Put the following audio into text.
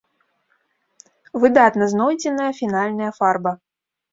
Выдатна знойдзеная фінальная фарба.